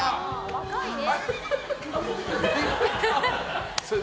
若いね。